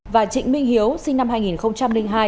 và trịnh minh hiếu sinh năm hai nghìn hai